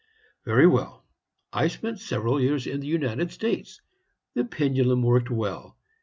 "Very well. I spent several years in the United States. The pendulum worked well.